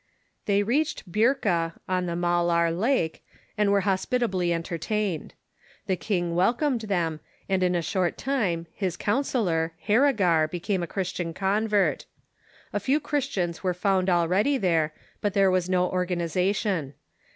They reached Birka, on the Malar Lake, and were hospitably entertained. The king welcomed them, and in a short time his counsellor, Plerigar, became a Christian convert. A few Christians were found al ready there, but there was no organization.